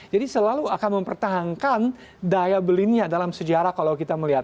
jadi selalu akan mempertahankan daya belinya dalam sejarah kalau kita melihat